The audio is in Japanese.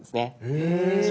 へえ！